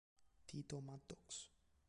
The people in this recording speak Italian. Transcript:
Tito Maddox